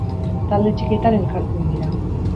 Talde txikietan elkartu ohi dira.